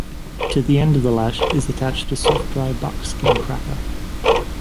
To the end of the lash is attached a soft, dry, buckskin cracker.